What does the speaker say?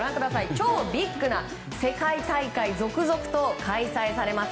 超ビッグな世界大会が続々と開催されます。